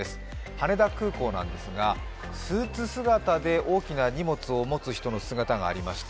羽田空港なんですが、スーツ姿で大きな荷物を持つ人の姿がありました。